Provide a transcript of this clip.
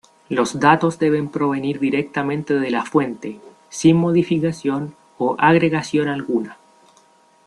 Los datos deben provenir directamente de la fuente, sin modificación o agregación alguna.